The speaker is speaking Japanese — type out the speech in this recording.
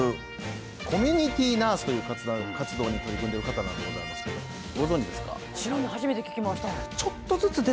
コミュニティナースという活動に取り組んでいる方なんですがご存じですか。